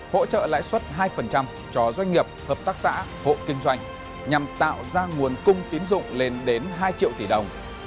hỗ trợ lãi suất hai cho doanh nghiệp hợp tác xã hộ kinh doanh nhằm tạo ra nguồn cung tiến dụng lên đến hai triệu tỷ đồng